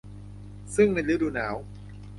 ซึ่งในฤดูหนาว